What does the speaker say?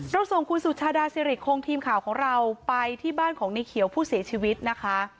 ส่งคุณสุชาดาสิริคงทีมข่าวของเราไปที่บ้านของในเขียวผู้เสียชีวิตนะคะ